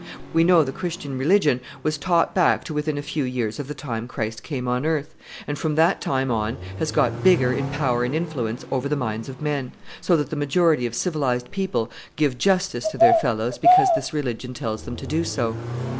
We know the Christian religion was taught back to within a few years of the time Christ came on earth; and from that time on has got bigger in power and influence over the minds of men, so that the majority of civilized people give justice to their fellows because this religion tells them to do so.